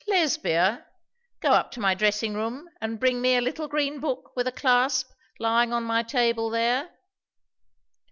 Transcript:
"Lesbia, go up to my dressing room and bring me a little green book with a clasp lying on my table there."